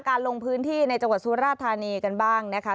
ลงพื้นที่ในจังหวัดสุราธานีกันบ้างนะคะ